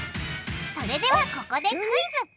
それではここでクイズ！